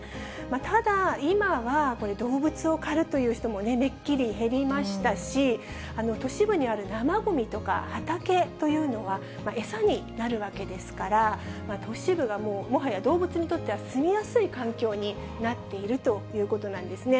ただ、今は動物を狩るという人もめっきり減りましたし、都市部にある生ごみとか畑というのが餌になるわけですから、都市部がもはや動物にとっては住みやすい環境になっているということなんですね。